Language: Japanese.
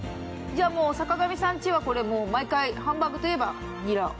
じゃあもう坂上さん家はこれ毎回ハンバーグといえばニラ？